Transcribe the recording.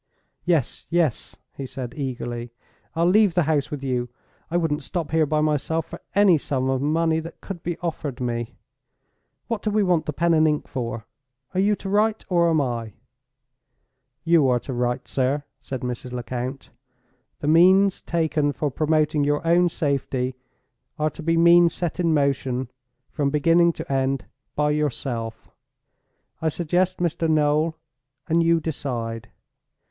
"Yes, yes!" he said, eagerly; "I'll leave the house with you. I wouldn't stop here by myself for any sum of money that could be offered me. What do we want the pen and ink for? Are you to write, or am I?" "You are to write, sir," said Mrs. Lecount. "The means taken for promoting your own safety are to be means set in motion, from beginning to end, by yourself. I suggest, Mr. Noel—and you decide.